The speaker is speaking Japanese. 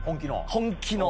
本気の。